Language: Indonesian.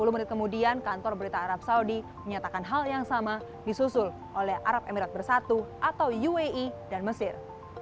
sepuluh menit kemudian kantor berita arab saudi menyatakan hal yang sama disusul oleh arab emirat bersatu atau uae dan mesir